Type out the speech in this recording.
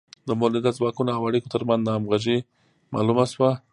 د مؤلده ځواکونو او اړیکو ترمنځ ناهمغږي معلومه شوه.